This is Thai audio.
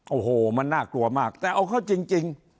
โอ้โหมันน่ากลัวมากแต่เอาเข้าจริง